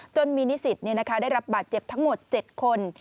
จนมีนิสิตได้รับบาดเจ็บทั้งหมด๗คน